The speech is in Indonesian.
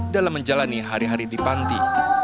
dalam menjalani hari hari di panti